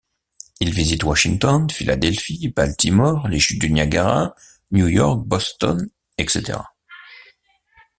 Il visite Washington, Philadelphie, Baltimore, les chutes du Niagara, New York, Boston, etc.